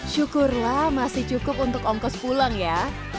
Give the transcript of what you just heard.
syukurlah masih cukup untuk ongkos pulang ya